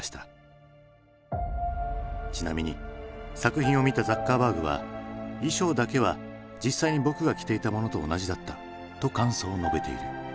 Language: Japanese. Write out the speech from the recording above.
ちなみに作品を見たザッカーバーグは「衣装だけは実際に僕が着ていたものと同じだった」と感想を述べている。